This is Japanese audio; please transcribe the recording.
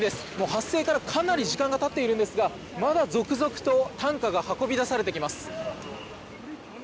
発生からかなり時間がたっているんですがまだ続々と担架が運び出されていきます。